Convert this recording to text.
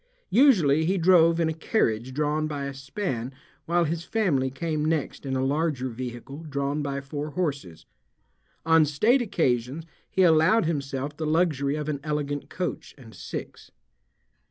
Usually he drove in a carriage drawn by a span while his family came next in a larger vehicle drawn by four horses. On state occasions he allowed himself the luxury of an elegant coach and six.